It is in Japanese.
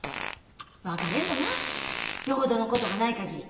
別れんろなよほどのことがないかぎり。